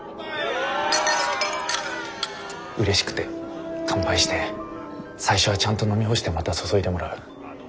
うれしくて乾杯して最初はちゃんと飲み干してまた注いでもらう。